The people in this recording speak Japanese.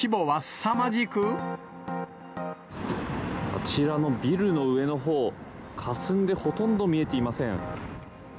あちらのビルの上のほう、かすんでほとんど見えていません。